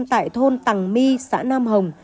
tại thôn tằng my xã nam hồng